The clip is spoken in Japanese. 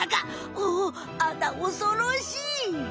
おおあなおそろしい。